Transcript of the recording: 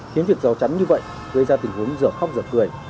khiến việc rào chắn như vậy gây ra tình huống giở khóc giở cười